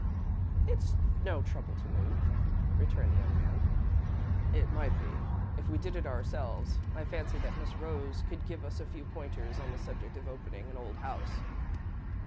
"It's no trouble to move," returned the young man. "It might be, if we did it ourselves. I fancy that Miss Rose could give us a few pointers on the subject of opening an old house."